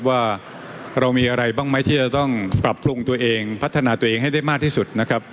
ว่าเรามีอะไรบ้างไหมที่จะต้องปรับปรุงตัวเองพัฒนาตัวเองให้ได้มากที่สุดนะครับ